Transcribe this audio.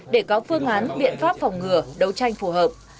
để có phương án biện pháp phòng ngừa đấu tranh phù hợp